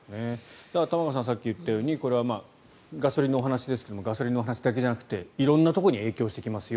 玉川さんがさっき言ったようにこれはガソリンのお話ですがガソリンの話だけじゃなくて色んなところに影響していきますよ